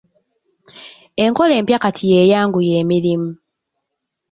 Enkola empya kati y'eyanguya emirimu.